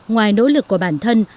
ngoài nỗ lực của bản thân